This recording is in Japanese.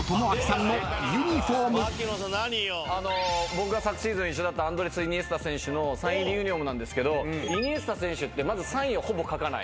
僕が昨シーズン一緒だったアンドレス・イニエスタ選手のサイン入りユニホームなんですけどイニエスタ選手って。